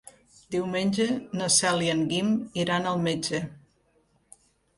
Diumenge na Cel i en Guim iran al metge.